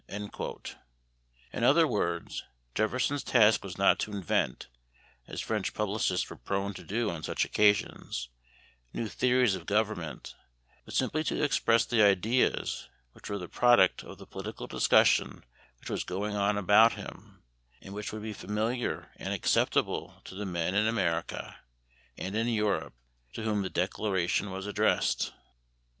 In other words, Jefferson's task was not to invent, as French publicists were prone to do on such occasions, new theories of government, but simply to express the ideas which were the product of the political discussion which was going on about him, and which would be familiar and acceptable to the men in America and in Europe to whom the Declaration was addressed.